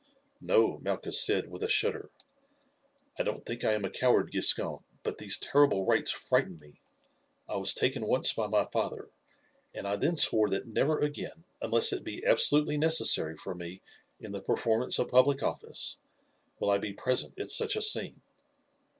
"No," Malchus said with a shudder. "I don't think I am a coward, Giscon, but these terrible rites frighten me. I was taken once by my father, and I then swore that never again, unless it be absolutely necessary for me in the performance of public office, will I be present at such a scene.